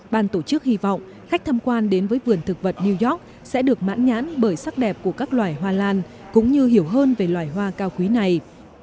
ban tổ chức hy vọng khách tham quan đến với vườn thực vật new york sẽ được mãn nhãn bởi sắc đẹp của các loài hoa lan cũng như hiểu hơn về loài hoa cao quý này